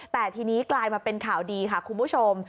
แต่ทีนี้กลายมาเป็นข่าวดีค่ะคุณผู้ชม